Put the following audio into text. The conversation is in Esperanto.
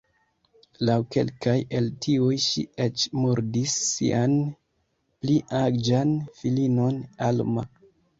Laŭ kelkaj el tiuj ŝi eĉ murdis sian pli aĝan filinon Alma.